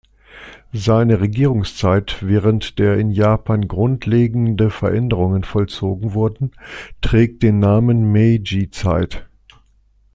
Seine Regierungszeit, während der in Japan grundlegende Veränderungen vollzogen wurden, trägt den Namen Meiji-Zeit.